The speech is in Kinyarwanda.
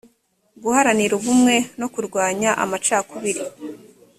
guharanira ubumwe no kurwanya amacakubiri